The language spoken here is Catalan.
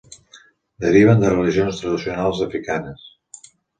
Deriven de religions tradicionals africanes.